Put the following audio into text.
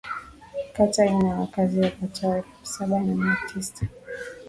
Kata ina wakazi wapatao elfu saba na mia tisa